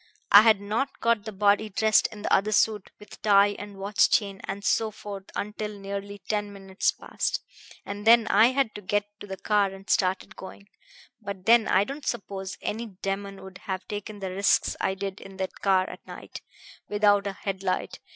I had not got the body dressed in the other suit, with tie and watch chain and so forth, until nearly ten minutes past; and then I had to get to the car and start it going.... But then I don't suppose any demon would have taken the risks I did in that car at night, without a head light.